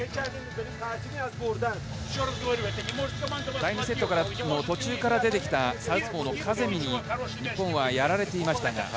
第２セットの途中から出てきたサウスポーのカゼミに日本はやられていました。